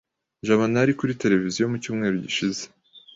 Jabana yari kuri tereviziyo mu cyumweru gishize.